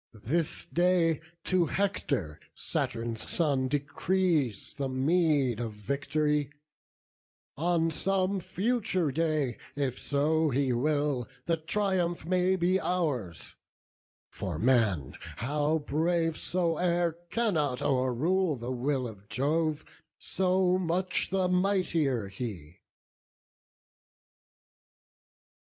This day to Hector Saturn's son decrees The meed of vict'ry; on some future day, If so he will, the triumph may be ours; For man, how brave soe'er, cannot o'errule The will of Jove, so much the mightier he."